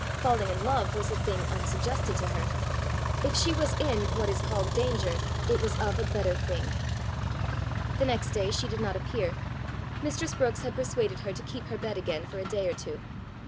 Falling in love was a thing unsuggested to her; if she was in what is called danger, it was of a better thing. The next day she did not appear: mistress Brookes had persuaded her to keep her bed again for a day or two.